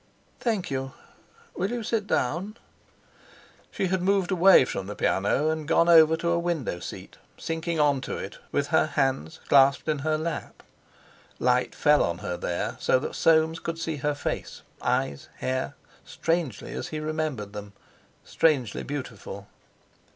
"Thank you. Will you sit down?" She had moved away from the piano, and gone over to a window seat, sinking on to it, with her hands clasped in her lap. Light fell on her there, so that Soames could see her face, eyes, hair, strangely as he remembered them, strangely beautiful.